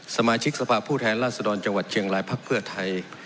สมาชิกสภาพผู้แทนราชดรจังหวัดเชียงรายพักเพื่อไทย